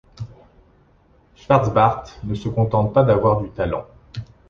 Schwarz-Bart ne se contente pas d’avoir du “talent”.